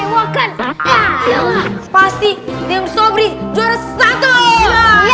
tapi aku penasaran loh mereka buat apaan ya